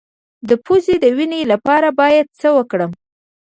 د پوزې د وینې لپاره باید څه وکړم؟